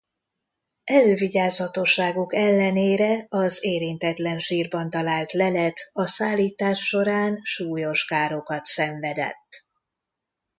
Elővigyázatosságuk ellenére az érintetlen sírban talált lelet a szállítás során súlyos károkat szenvedett.